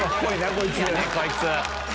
こいつ。